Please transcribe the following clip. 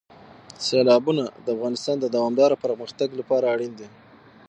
سیلابونه د افغانستان د دوامداره پرمختګ لپاره اړین دي.